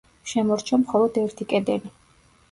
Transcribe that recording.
შემორჩა მხოლოდ ერთი კედელი.